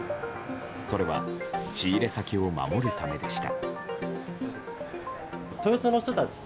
それは仕入れ先を守るためでした。